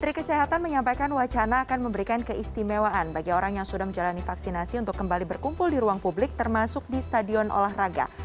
menteri kesehatan menyampaikan wacana akan memberikan keistimewaan bagi orang yang sudah menjalani vaksinasi untuk kembali berkumpul di ruang publik termasuk di stadion olahraga